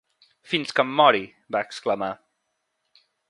"Fins que em mori", va exclamar.